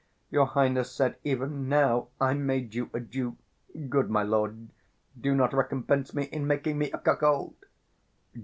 Your highness said even now, I made you a Duke: good my lord, do not recompense me in making me a cuckold.